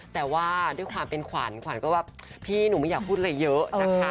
แต่ว่าด้วยความเป็นขวัญขวัญก็แบบพี่หนูไม่อยากพูดอะไรเยอะนะคะ